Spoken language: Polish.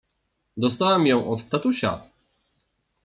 Dostałam ją od tatusia.